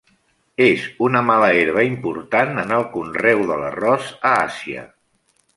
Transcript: És una mala herba important en el conreu de l'arròs a Àsia.